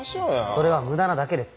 それは無駄なだけです。